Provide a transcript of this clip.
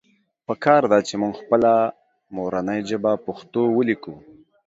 پکار ده چې مونږ خپله مورنۍ ژبه پښتو وليکو